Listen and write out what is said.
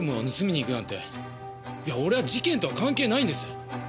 いや俺は事件とは関係ないんです。